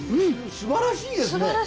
すばらしいですね。